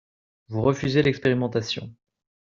Vous refusez l’expérimentation